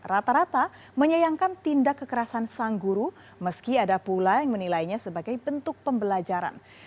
rata rata menyayangkan tindak kekerasan sang guru meski ada pula yang menilainya sebagai bentuk pembelajaran